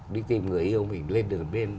đi tìm người yêu mình lên điện biên